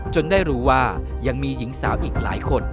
ได้รู้ว่ายังมีหญิงสาวอีกหลายคน